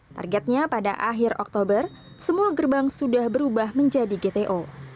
targetnya pada akhir oktober semua gerbang sudah berubah menjadi gto